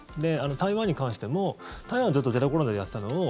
台湾に関しても、台湾はずっとゼロコロナでやっていたのを。